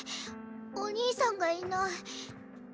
おにぃさんがいない。